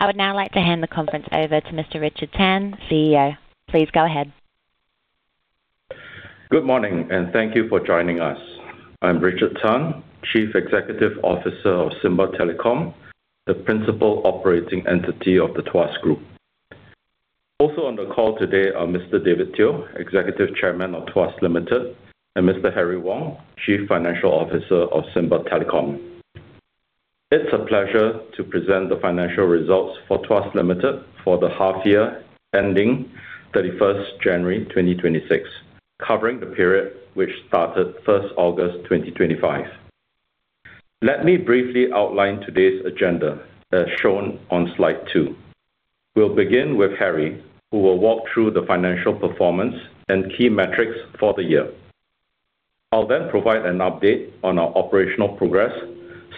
I would now like to hand the conference over to Mr. Richard Tan, CEO. Please go ahead. Good morning, and thank you for joining us. I'm Richard Tan, Chief Executive Officer of SIMBA Telecom, the principal operating entity of the TUAS Group. Also on the call today are Mr. David Teoh, Executive Chairman of TUAS Limited, and Mr. Harry Wong, Chief Financial Officer of SIMBA Telecom. It's a pleasure to present the financial results for TUAS Limited for the half year ending January 31st, 2026, covering the period which started August 1st, 2025. Let me briefly outline today's agenda as shown on slide two. We'll begin with Harry, who will walk through the financial performance and key metrics for the year. I'll then provide an update on our operational progress,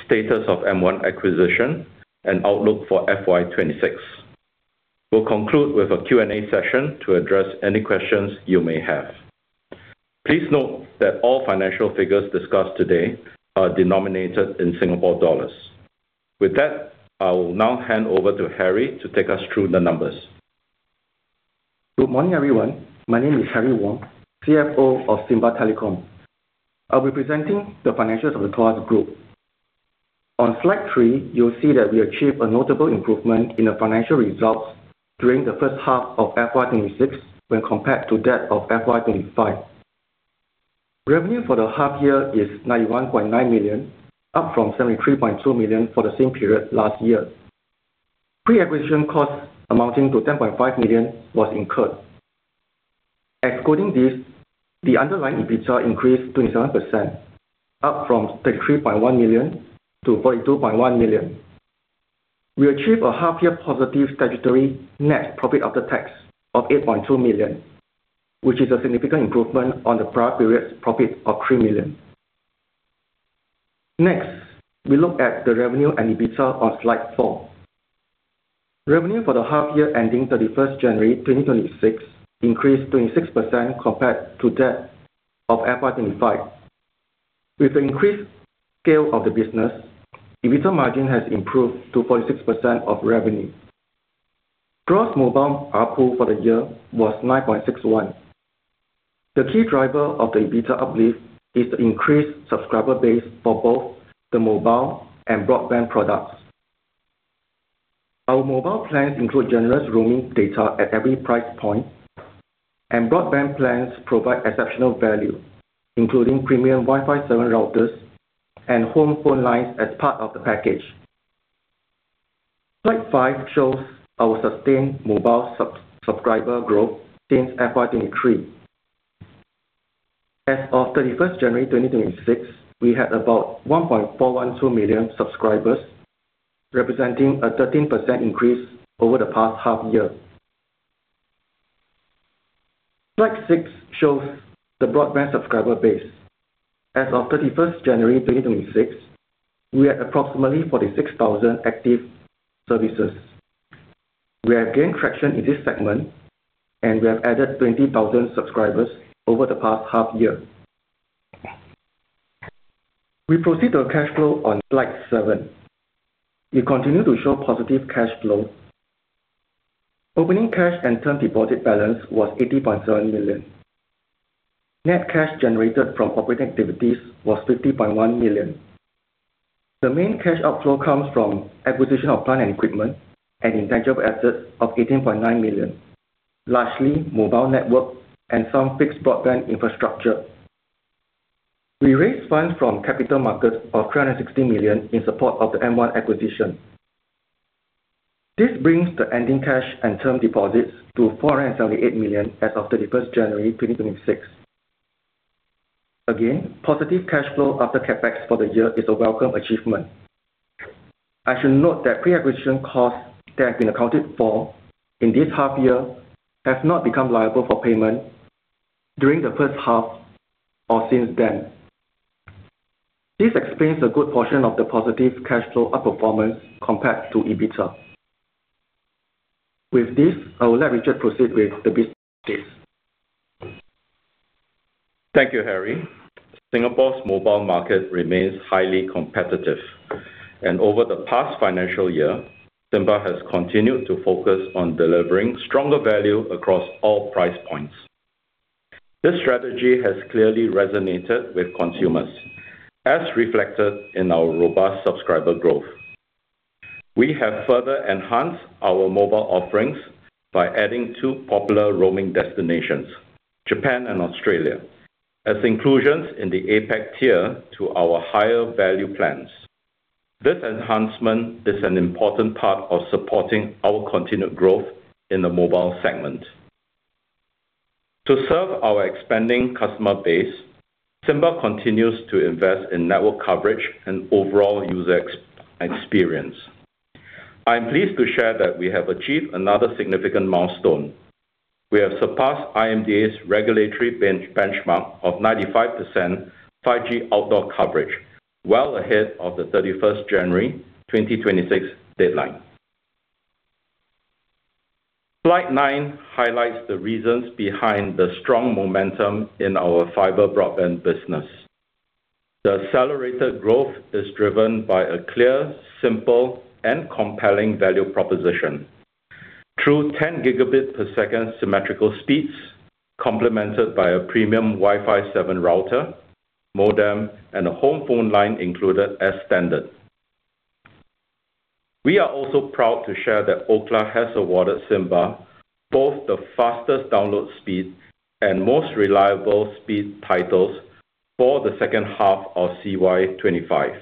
status of M1 acquisition, and outlook for FY 2026. We'll conclude with a Q&A session to address any questions you may have. Please note that all financial figures discussed today are denominated in Singapore dollars. With that, I will now hand over to Harry to take us through the numbers. Good morning, everyone. My name is Harry Wong, CFO of SIMBA Telecom. I'll be presenting the financials of the TUAS Group. On slide three, you'll see that we achieved a notable improvement in the financial results during the first half of FY 2026 when compared to that of FY 2025. Revenue for the half year is 91.9 million, up from 73.2 million for the same period last year. Pre-acquisition costs amounting to 10.5 million was incurred. Excluding this, the underlying EBITDA increased 27%, up from 33.1 million to 42.1 million. We achieved a half year positive statutory net profit after tax of 8.2 million, which is a significant improvement on the prior period's profit of 3 million. Next, we look at the revenue and EBITDA on slide four. Revenue for the half-year ending January 31st, 2026 increased 26% compared to that of FY 2025. With increased scale of the business, EBITDA margin has improved to 46% of revenue. Gross mobile ARPU for the year was 9.61. The key driver of the EBITDA uplift is the increased subscriber base for both the mobile and broadband products. Our mobile plans include generous roaming data at every price point, and broadband plans provide exceptional value, including premium Wi-Fi 7 routers and home phone lines as part of the package. Slide five shows our sustained mobile subscriber growth since FY 2023. As of January 31st, 2026, we had about 1.412 million subscribers, representing a 13% increase over the past half year. Slide six shows the broadband subscriber base. As of January 31st, 2026, we had approximately 46,000 active services. We have gained traction in this segment, and we have added 20,000 subscribers over the past half year. We proceed to a cash flow on slide seven. We continue to show positive cash flow. Opening cash and term deposit balance was 80.7 million. Net cash generated from operating activities was 50.1 million. The main cash outflow comes from acquisition of plant and equipment and intangible assets of 18.9 million, largely mobile network and some fixed broadband infrastructure. We raised funds from capital markets of 360 million in support of the M1 acquisition. This brings the ending cash and term deposits to 478 million as of January 31st, 2026. Positive cash flow after CapEx for the year is a welcome achievement. I should note that pre-acquisition costs that have been accounted for in this half year have not become liable for payment during the first half or since then. This explains a good portion of the positive cash flow outperformance compared to EBITDA. With this, I will let Richard proceed with the business case. Thank you, Harry. Singapore's mobile market remains highly competitive, and over the past financial year, SIMBA has continued to focus on delivering stronger value across all price points. This strategy has clearly resonated with consumers, as reflected in our robust subscriber growth. We have further enhanced our mobile offerings by adding two popular roaming destinations, Japan and Australia, as inclusions in the APAC tier to our higher-value plans. This enhancement is an important part of supporting our continued growth in the mobile segment. To serve our expanding customer base, SIMBA continues to invest in network coverage and overall user experience. I am pleased to share that we have achieved another significant milestone. We have surpassed IMDA's regulatory benchmark of 95% 5G outdoor coverage well ahead of the January 31st, 2026 deadline. Slide nine highlights the reasons behind the strong momentum in our fiber broadband business. The accelerated growth is driven by a clear, simple, and compelling value proposition through 10 Gb per second symmetrical speeds complemented by a premium Wi-Fi 7 router, modem, and a home phone line included as standard. We are also proud to share that Ookla has awarded SIMBA both the fastest download speed and most reliable speed titles for the second half of CY 2025.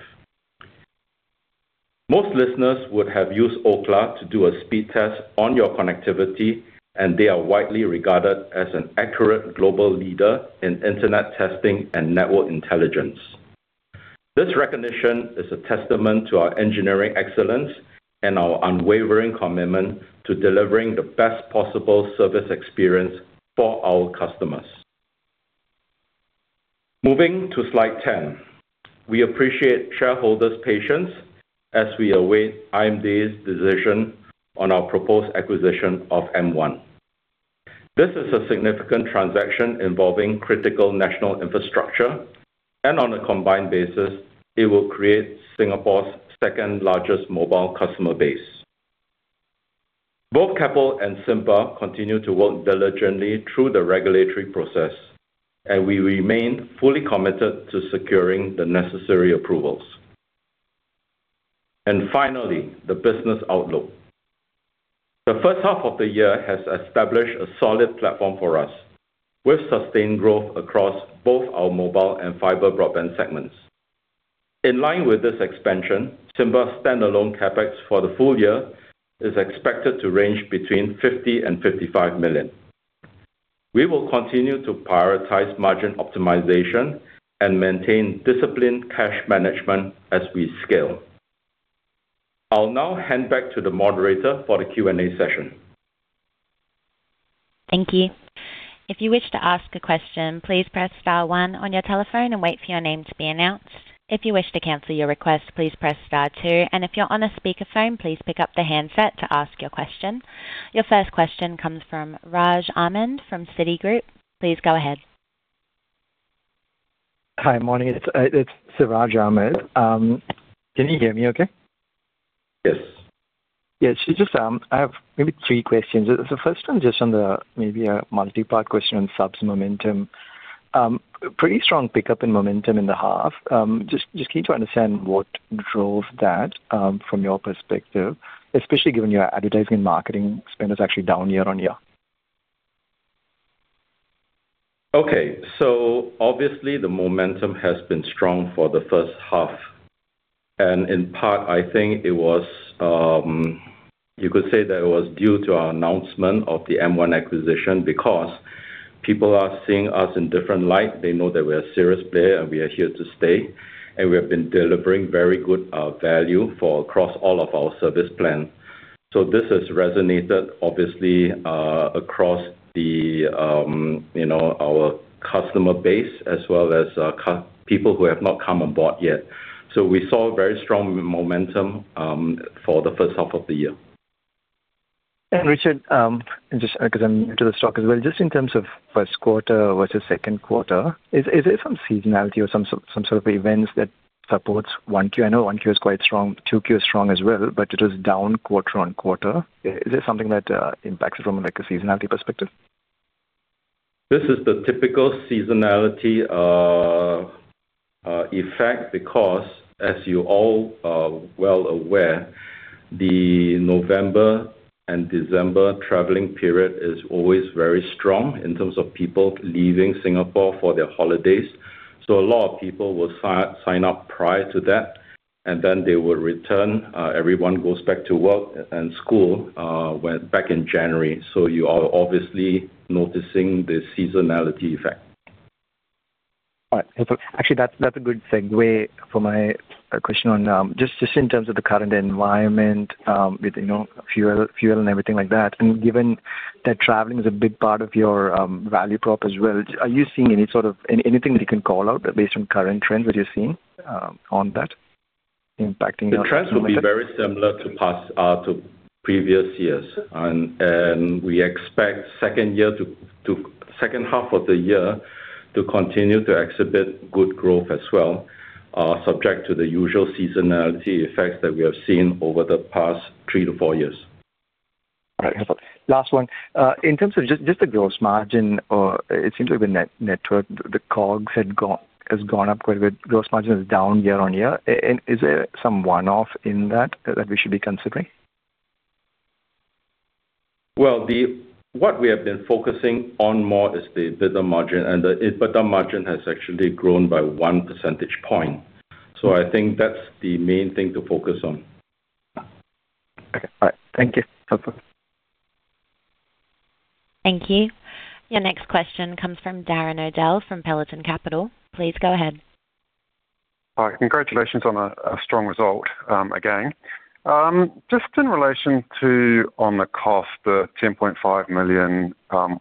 Most listeners would have used Ookla to do a speed test on your connectivity, and they are widely regarded as an accurate global leader in internet testing and network intelligence. This recognition is a testament to our engineering excellence and our unwavering commitment to delivering the best possible service experience for our customers. Moving to slide 10. We appreciate shareholders' patience as we await IMDA's decision on our proposed acquisition of M1. This is a significant transaction involving critical national infrastructure, and on a combined basis, it will create Singapore's second-largest mobile customer base. Both Keppel and SIMBA continue to work diligently through the regulatory process, and we remain fully committed to securing the necessary approvals. Finally, the business outlook. The H1 has established a solid platform for us, with sustained growth across both our mobile and fiber broadband segments. In line with this expansion, SIMBA's standalone CapEx for the full year is expected to range between 50 million-55 million. We will continue to prioritize margin optimization and maintain disciplined cash management as we scale. I'll now hand back to the moderator for the Q&A session. Thank you. If you wish to ask a question, please press star one on your telephone and wait for your name to be announced. If you wish to cancel your request, please press star two, and if you're on a speakerphone, please pick up the handset to ask your question. Your first question comes from Siraj Ahmed from Citigroup. Please go ahead. Hi. Morning. It's Siraj Ahmed. Can you hear me okay? Yes. Yes. Just, I have maybe three questions. The first one, just on the, maybe a multi-part question on subs momentum. Pretty strong pickup in momentum in the half. Just keen to understand what drove that, from your perspective, especially given your advertising marketing spend is actually down year on year. Okay. Obviously the momentum has been strong for the first half. In part, I think it was, you could say that it was due to our announcement of the M1 acquisition because people are seeing us in different light. They know that we're a serious player, and we are here to stay, and we have been delivering very good, value for across all of our service plan. This has resonated obviously, across the, you know, our customer base as well as, people who have not come on board yet. We saw very strong momentum for the H1. Richard, just because I'm into the stock as well, just in terms of first quarter versus second quarter, is there some seasonality or some sort of events that supports Q1? I know Q1 is quite strong. Q2 is strong as well, but it is down quarter-over-quarter. Is there something that impacts it from like a seasonality perspective? This is the typical seasonality effect because as you all are well aware, the November and December traveling period is always very strong in terms of people leaving Singapore for their holidays. A lot of people will sign up prior to that, and then they will return, everyone goes back to work and school when back in January. You are obviously noticing the seasonality effect. All right. Actually that's a good segue for my question on just in terms of the current environment with you know fuel and everything like that. Given that traveling is a big part of your value prop as well, are you seeing any sort of anything that you can call out based on current trends that you're seeing on that impacting your- The trends will be very similar to past, to previous years. We expect second half of the year to continue to exhibit good growth as well, subject to the usual seasonality effects that we have seen over the past three to four years. All right. Last one. In terms of just the gross margin, it seems like the net worth, the COGS has gone up quite a bit. Gross margin is down year-over-year. Is there some one-off in that we should be considering? What we have been focusing on more is the EBITDA margin, and the EBITDA margin has actually grown by 1 percentage point. I think that's the main thing to focus on. Okay. All right. Thank you. Over. Thank you. Your next question comes from Darren Odell from Peloton Capital. Please go ahead. Hi. Congratulations on a strong result again. Just in relation to the cost, the 10.5 million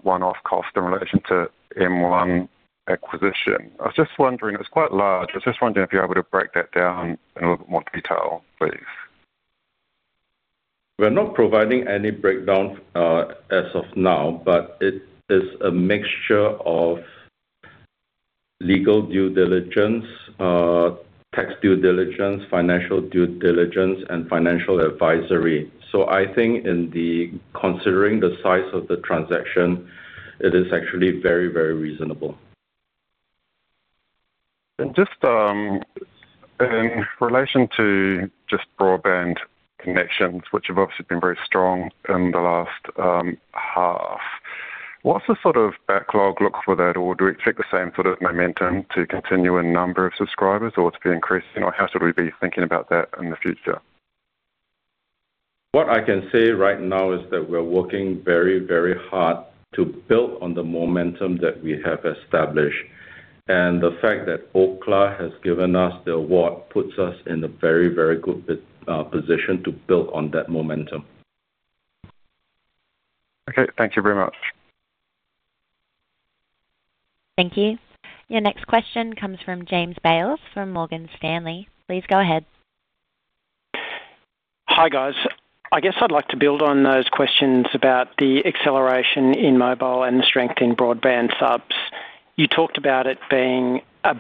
one-off cost in relation to M1 acquisition. I was just wondering, it was quite large. I was just wondering if you're able to break that down in a little bit more detail, please. We're not providing any breakdown as of now, but it is a mixture of legal due diligence, tax due diligence, financial due diligence, and financial advisory. I think considering the size of the transaction, it is actually very, very reasonable. Just in relation to just broadband connections, which have obviously been very strong in the last half, what's the sort of backlog look for that, or do we expect the same sort of momentum to continue in number of subscribers or to be increasing, or how should we be thinking about that in the future? What I can say right now is that we're working very, very hard to build on the momentum that we have established. The fact that Ookla has given us the award puts us in a very, very good position to build on that momentum. Okay. Thank you very much. Thank you. Your next question comes from James Bales from Morgan Stanley. Please go ahead. Hi, guys. I guess I'd like to build on those questions about the acceleration in mobile and the strength in broadband subs. You talked about it being a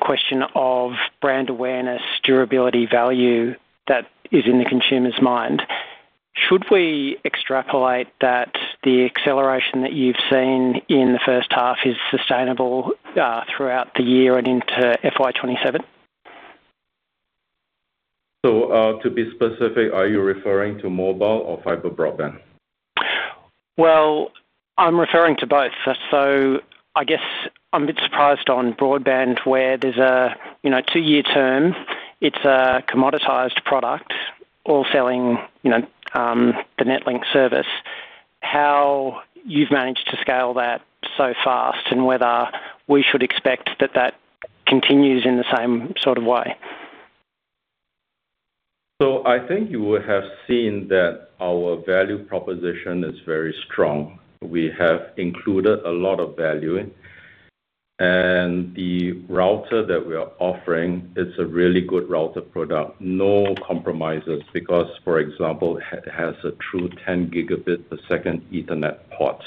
question of brand awareness, durability, value that is in the consumer's mind. Should we extrapolate that the acceleration that you've seen in the first half is sustainable throughout the year and into FY 2027? To be specific, are you referring to mobile or fiber broadband? Well, I'm referring to both. I guess I'm a bit surprised on broadband, where there's a, you know, two-year term. It's a commoditized product, all selling, you know, the NetLink service. How you've managed to scale that so fast and whether we should expect that continues in the same sort of way. I think you would have seen that our value proposition is very strong. We have included a lot of value in. The router that we are offering is a really good router product. No compromises because, for example, it has a true 10 Gb per second Ethernet port.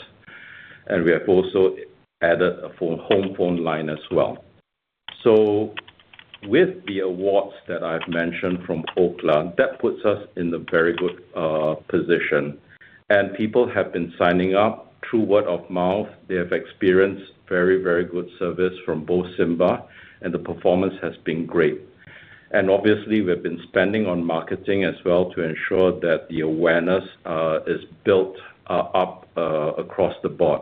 We have also added a home phone line as well. With the awards that I've mentioned from Ookla, that puts us in a very good position. People have been signing up through word of mouth. They have experienced very, very good service from both SIMBA, and the performance has been great. Obviously, we've been spending on marketing as well to ensure that the awareness is built up across the board.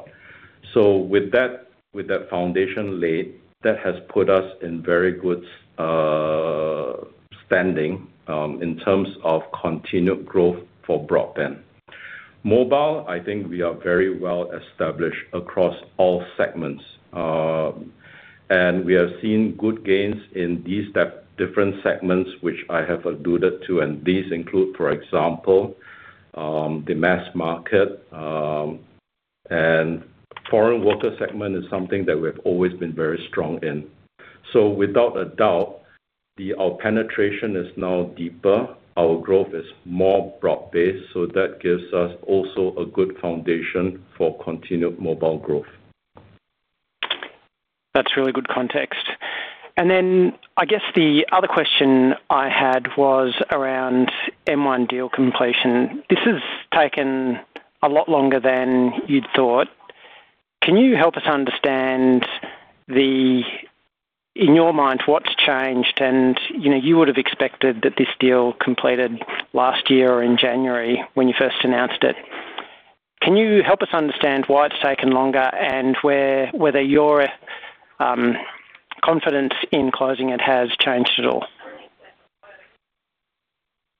With that foundation laid, that has put us in very good standing in terms of continued growth for broadband. Mobile, I think we are very well established across all segments. We have seen good gains in these different segments which I have alluded to. These include, for example, the mass market, and foreign worker segment is something that we've always been very strong in. Without a doubt, our penetration is now deeper. Our growth is more broad-based, so that gives us also a good foundation for continued mobile growth. That's really good context. I guess the other question I had was around M1 deal completion. This has taken a lot longer than you'd thought. Can you help us understand the, in your mind, what's changed? You know, you would have expected that this deal completed last year or in January when you first announced it. Can you help us understand why it's taken longer and whether your confidence in closing it has changed at all?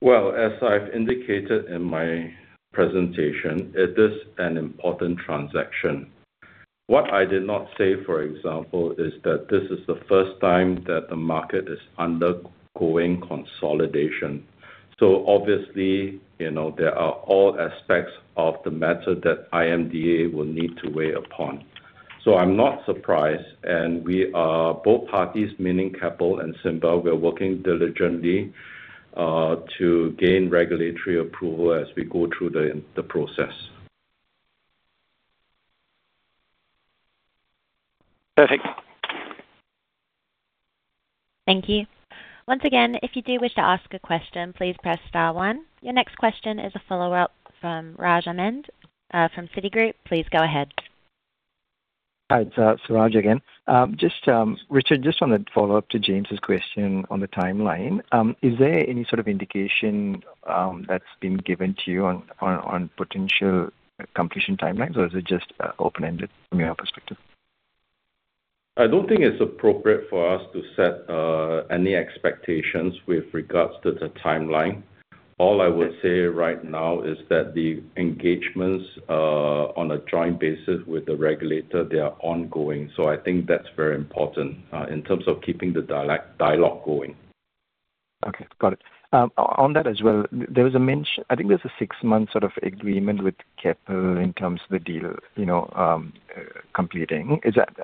Well, as I've indicated in my presentation, it is an important transaction. What I did not say, for example, is that this is the first time that the market is undergoing consolidation. Obviously, you know, there are all aspects of the matter that IMDA will need to weigh upon. I'm not surprised. We, both parties, meaning Keppel and SIMBA, we are working diligently to gain regulatory approval as we go through the process. Perfect. Thank you. Once again, if you do wish to ask a question, please press star one. Your next question is a follow-up from Siraj Ahmed from Citigroup. Please go ahead. Hi. It's Siraj again. Just Richard, just on a follow-up to James' question on the timeline. Is there any sort of indication that's been given to you on potential completion timelines, or is it just open-ended from your perspective? I don't think it's appropriate for us to set any expectations with regards to the timeline. All I would say right now is that the engagements on a joint basis with the regulator, they are ongoing. I think that's very important in terms of keeping the dialogue going. Okay. Got it. On that as well, there was a mention. I think there's a six-month sort of agreement with Keppel in terms of the deal, you know, completing. Is that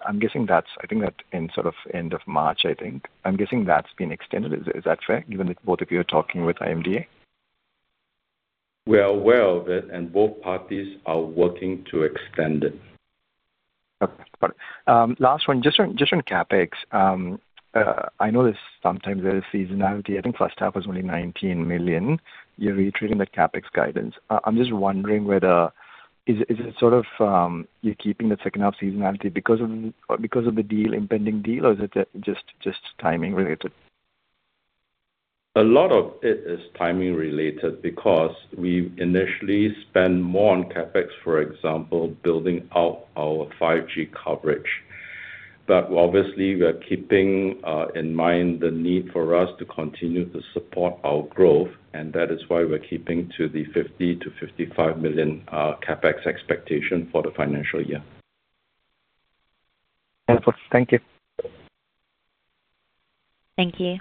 in sort of end of March, I think. I'm guessing that's been extended. Is that fair, given that both of you are talking with IMDA? We are aware of it, and both parties are working to extend it. Okay. Got it. Last one, just on CapEx. I know that sometimes there is seasonality. I think first half was only 19 million. You're reiterating the CapEx guidance. I'm just wondering whether it is sort of you're keeping the second half seasonality because of the impending deal or is it just timing related? A lot of it is timing related because we initially spend more on CapEx, for example, building out our 5G coverage. Obviously, we are keeping in mind the need for us to continue to support our growth, and that is why we're keeping to the 50 million-55 million CapEx expectation for the financial year. Wonderful. Thank you. Thank you.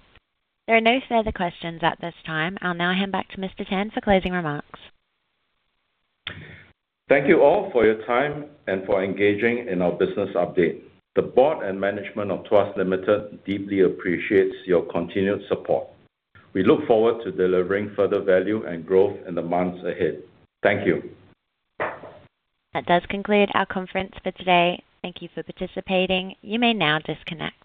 There are no further questions at this time. I'll now hand back to Mr. Tan for closing remarks. Thank you all for your time and for engaging in our business update. The board and management of TUAS Limited deeply appreciates your continued support. We look forward to delivering further value and growth in the months ahead. Thank you. That does conclude our conference for today. Thank you for participating. You may now disconnect.